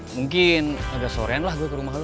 mungkin agak sorean lah gue ke rumah lo